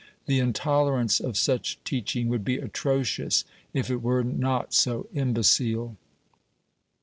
The intolerance of such teaching would be atrocious if it were not so imbecile.